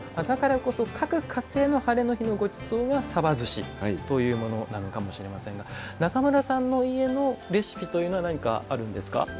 だからこそ各家庭のハレの日のごちそうが寿司というものなのかもしれませんが中村さんの家のレシピというのは何かあるんですか？